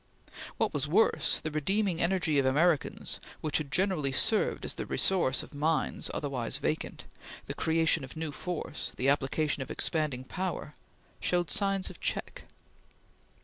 What was worse, the redeeming energy of Americans which had generally served as the resource of minds otherwise vacant, the creation of new force, the application of expanding power, showed signs of check.